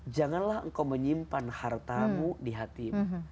janganlah engkau menyimpan hartamu di hatimu